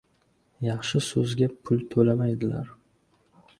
• Yaxshi so‘zga pul to‘lamaydilar.